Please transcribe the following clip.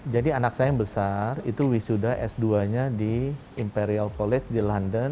jadi anak saya yang besar itu wisuda s dua nya di imperial college di london